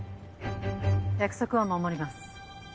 約束は守ります。